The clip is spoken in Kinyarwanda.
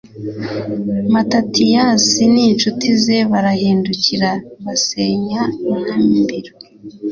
matatiyasi n'incuti ze barahindukira, basenya intambiro